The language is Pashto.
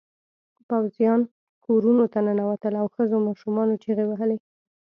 پوځيان کورونو ته ننوتل او ښځو ماشومانو چیغې کړې.